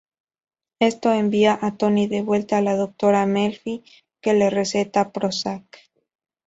Esto envía a Tony de vuelta a la doctora Melfi, que le receta Prozac.